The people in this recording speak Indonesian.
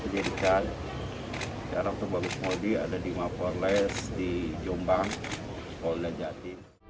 terima kasih pak